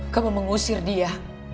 kamu mengusir dia